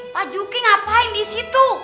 pak juki ngapain disitu